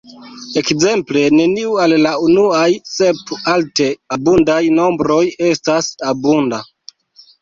Ekzemple neniu el la unuaj sep alte abundaj nombroj estas abunda.